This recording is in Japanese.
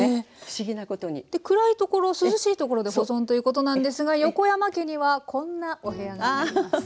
で暗いところ涼しいところで保存ということなんですが横山家にはこんなお部屋があります。